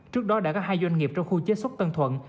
trước đó đã có hai doanh nghiệp trong khu chế xuất tân thuận